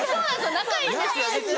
仲いいんですよ。